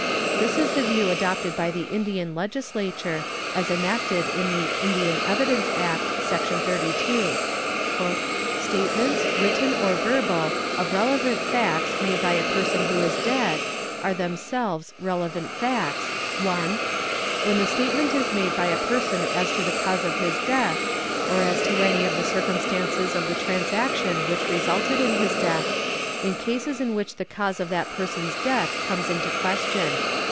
This is the view adopted by the Indian _ Legislature, as enacted in the "'Indian Evidence Act,' Sec. 32. '"' State ments, written or verbal, of relevant facts made by a person who is dead .... are themselves relevant facts ... (1) when the statement is made by a person as to the cause of his death, or as to any of the circumstances of the transaction which resulted in his death, in cases in which the cause of that person's death comes into question.